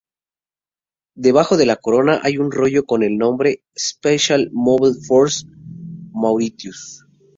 Debajo de la corona hay un rollo con el nombre "Special Mobile Force Mauritius".